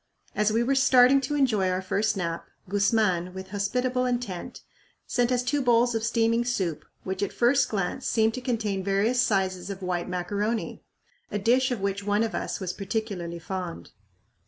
As we were starting to enjoy our first nap, Guzman, with hospitable intent, sent us two bowls of steaming soup, which at first glance seemed to contain various sizes of white macaroni a dish of which one of us was particularly fond.